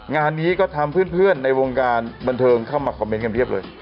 งานนี้ก็ทำเพื่อนในวงการบันเทิงเข้ามาคอมเมนต์กันเพียบเลย